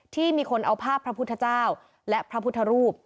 ที่มีคนเอาภาพพระพุทธเจ้าและพระพุทธรูป